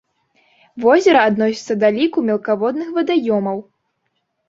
Возера адносіцца да ліку мелкаводных вадаёмаў.